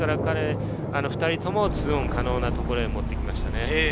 ２人とも２オン可能なところへ持ってきましたね。